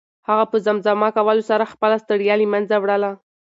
هغه په زمزمه کولو سره خپله ستړیا له منځه وړله.